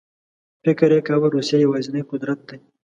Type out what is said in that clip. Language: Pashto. فکر یې کاوه روسیه یوازینی قدرت دی.